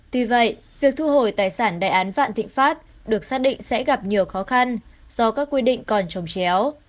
tuy vậy việc thu hồi tài sản đại án vạn thịnh pháp được xác định sẽ gặp nhiều khó khăn do các quy định còn trồng chéo